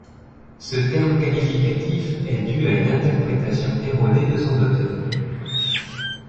Ce terme qualificatif est dû à une interprétation erronée de son auteur.